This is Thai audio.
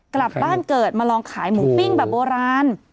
กลับบ้านเกิดมาลองขายหมูปิ้งแบบโบราณ